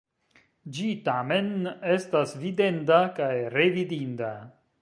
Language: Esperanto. Ĝi tamen estas videnda kaj revidinda.